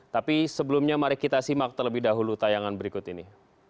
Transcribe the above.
tapi sebelumnya mari kita simak terlebih dahulu tayangan berikut ini